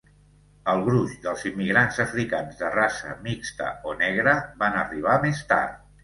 El gruix dels immigrants africans de raça mixta o negra van arribar més tard.